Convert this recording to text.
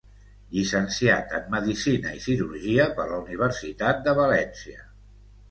Llicenciat en Medicina i Cirurgia per la Universitat de València.